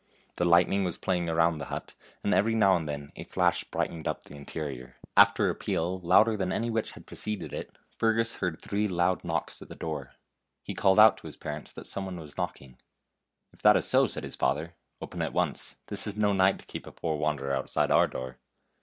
The lightning was playing around the hut, and every now and then a flash brightened up the interior. After a peal, louder than any which had pre ceded it, Fergus heard three loud knocks at the door. He called out to his parents that some one was knocking. "If that is so," said his father, " open at once; this is no night to keep a poor wanderer outside our door."